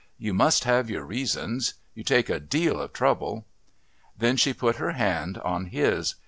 You must have your reasons. You take a deal o' trouble." Then she put her hand on his.